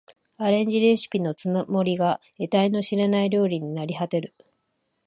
アレンジレシピのつもりが得体の知れない料理になりはてる